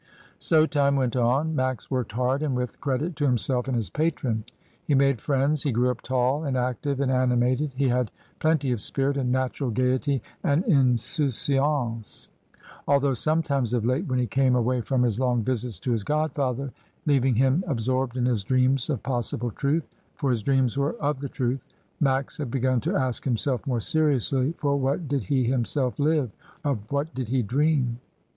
So time went on. Max worked hard and with credit to himself and his patron; he made friends, he grew up tall and active and animated, he had plenty of spirit and natural gaiety and insouciance^ although sometimes of late when he came away from his long visits to his godfather, leaving him absorbed in his dreams of possible truth — for his dreams were of the truth — Max had begun to ask himself more seriously for what did he himself live? Of what did he dream?